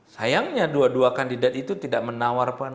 sayangnya dua dua kandidat itu tidak menawarkan